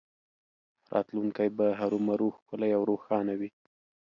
راتلونکی به هرومرو ښکلی او روښانه وي